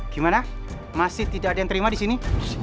gimana masih tidak ada yang terima di sini